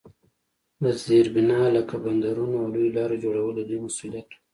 د زیربنا لکه بندرونو او لویو لارو جوړول د دوی مسوولیت وو.